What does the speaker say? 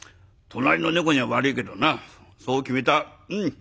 隣の猫には悪いけどなそう決めた。